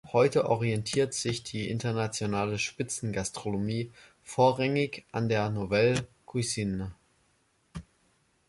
Heute orientiert sich die internationale Spitzengastronomie vorrangig an der Nouvelle Cuisine.